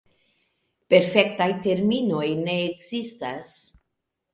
Perfektaj terminoj ne ekzistas.